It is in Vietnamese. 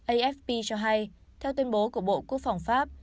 afp cho hay theo tuyên bố của bộ quốc phòng pháp